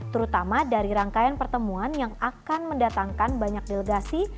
terutama dari rangkaian pertemuan yang akan mendatangkan banyak delegasi